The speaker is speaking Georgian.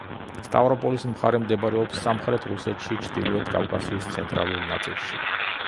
სტავროპოლის მხარე მდებარეობს სამხრეთ რუსეთში ჩრდილოეთ კავკასიის ცენტრალურ ნაწილში.